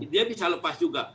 dia bisa lepas juga